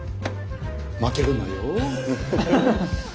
負けるなよフフ。